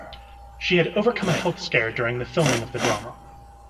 She had overcome a health scare during the filming of the drama.